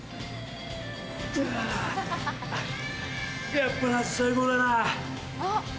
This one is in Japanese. やっぱ夏最高だな。あっ！